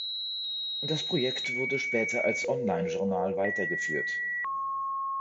Das Projekt wurde später als Online-Journal weitergeführt.